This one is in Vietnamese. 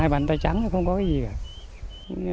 hai bàn tay trắng không có gì cả